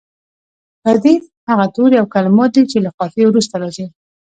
ردیف هغه توري او کلمات دي چې له قافیې وروسته راځي.